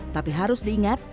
tapi harus diingat